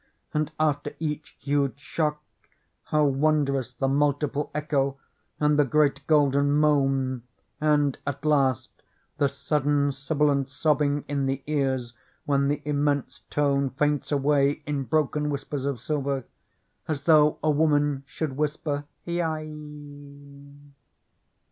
And after each huge shock, how wondrous the multiple echo and the great golden moan and, at last, the sudden sibilant sobbing in the ears when the immense tone faints away in broken whispers of silver, — as though a woman should whisper, "Hiai!"